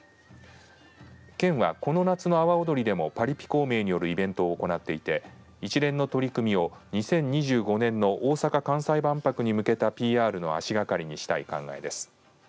県は、この夏の阿波おどりでもパリピ孔明によるイベントを行っていて一連の取り組みを２０２５年の大阪・関西万博に向けたＰＲの足がかりにしたい考えです。